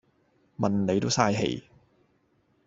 問你都嘥氣